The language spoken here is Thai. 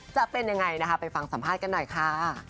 จะเป็นยังไงนะคะไปฟังสัมภาษณ์กันหน่อยค่ะ